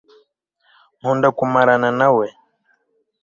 nkunda kumarana nawe